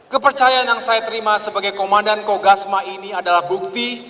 kepercayaan yang saya terima sebagai komandan kogasma ini adalah bukti